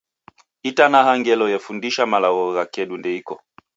Itanaha ngelo yefundisha malagho gha kedu ndeiko.